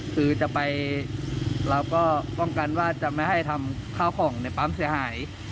คือจะไปเราก็ป้องกันว่าจะไม่ให้ทำข้าวของในปั๊มเสียหาย